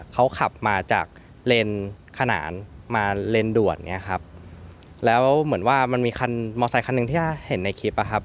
เขาขับมาจากเลนส์ขนานมาเลนด่วนอย่างเงี้ยครับแล้วเหมือนว่ามันมีคันมอเซคันหนึ่งที่เห็นในคลิปอะครับ